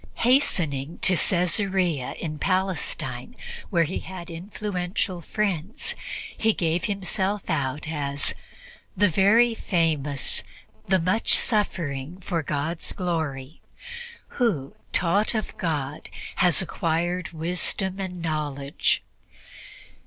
Hastening to Caesarea in Palestine, where he had influential friends, he gave himself out as "the very famous, the much suffering for God's glory, who, taught of God, has acquired wisdom and knowledge."